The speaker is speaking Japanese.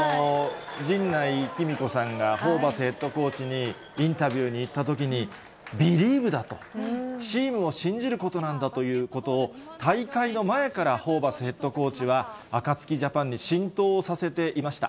陣内貴美子さんがホーバスヘッドコーチにインタビューに行ったときに、ビリーブだと、チームを信じることなんだということを大会の前からホーバスヘッドコーチはアカツキジャパンに浸透させていました。